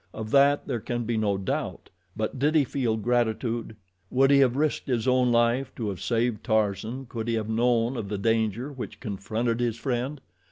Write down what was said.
Of that there can be no doubt. But did he feel gratitude? Would he have risked his own life to have saved Tarzan could he have known of the danger which confronted his friend?